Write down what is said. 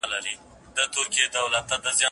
د خپل بخت په سباوون کي پر آذان غزل لیکمه